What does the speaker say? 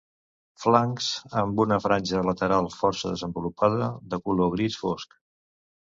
Flancs amb una franja lateral força desenvolupada de color gris fosc.